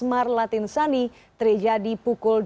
pembangunan yang terjadi di hotel j w marriott jakarta